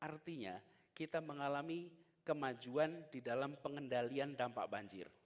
artinya kita mengalami kemajuan di dalam pengendalian dampak banjir